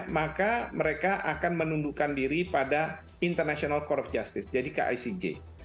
maka mereka akan menundukkan diri pada international court of justice jadi kicj